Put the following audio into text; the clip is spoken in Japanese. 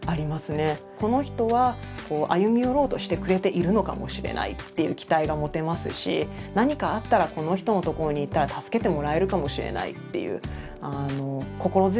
この人は歩み寄ろうとしてくれているのかもしれないっていう期待が持てますし何かあったらこの人のところに行ったら助けてもらえるかもしれないっていう心強さがあります。